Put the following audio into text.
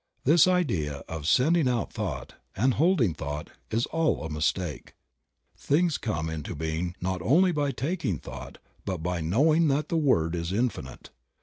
This idea of "sending out thought" and "holding thought" is all a mistake. Things come into being not only by "taking thought" but by know ing that the Word is in finite.